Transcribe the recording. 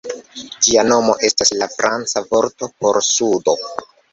Ĝia nomo estas la franca vorto por "sudo".